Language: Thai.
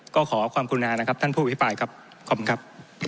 ก็ขอความคุณอานะครับท่านผู้อภิปรายครับขอบคุณครับ